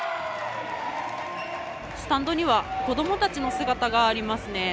スタンドには、子どもたちの姿がありますね。